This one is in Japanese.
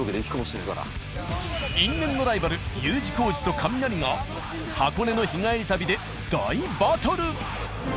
因縁のライバルＵ字工事とカミナリが箱根の日帰り旅で大バトル。